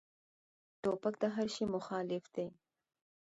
توپک د هر شي مخالف دی.